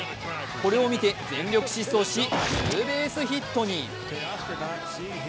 これを見て全力疾走しツーベースヒットに。